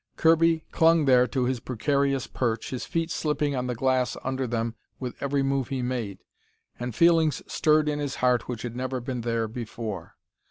Kirby clung there to his precarious perch, his feet slipping on the glass under them with every move he made, and feelings stirred in his heart which had never been there before.